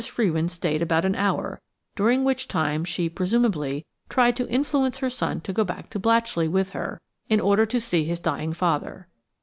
Frewin stayed about an hour, during which time she, presumably, tried to influence her son to go back to Blatchley with her in order to see his dying father.